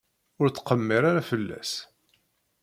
Ur ttqemmir ara fell-as.